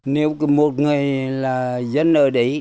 nếu một người là dân ở đấy